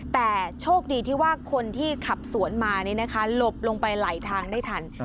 แต่โชคดีที่ว่าคนที่ขับสวนมานี่นะคะหลบลงไปไหลทางได้ทัน